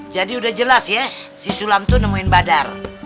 jadi udah jelas ya si sulam tuh nemuin badar